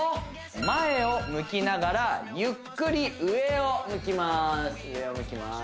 前を向きながらゆっくり上を向きます上を向きます